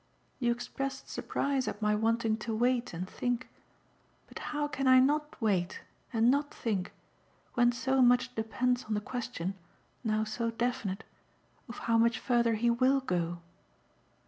You expressed surprise at my wanting to wait and think; but how can I not wait and not think when so much depends on the question now so definite of how much further he WILL go?"